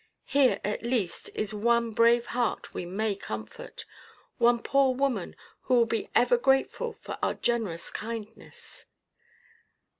Here, at least, is one brave heart we may comfort, one poor woman who will be ever grateful for our generous kindness."